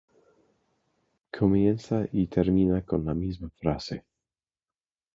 Comienza y termina con la misma frase.